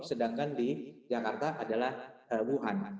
sedangkan di jakarta adalah wuhan